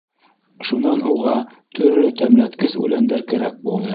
Шунан уға төрлө тәмләткес үләндәр кәрәк булды.